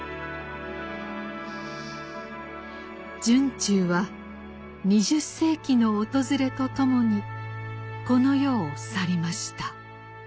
惇忠は２０世紀の訪れとともにこの世を去りました。